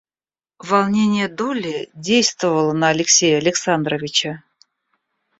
Волнение Долли действовало на Алексея Александровича.